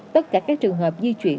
tất cả các trường hợp di chuyển